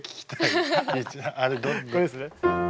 これですね？